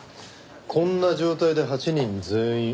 こんな状態で８人全員お陀仏。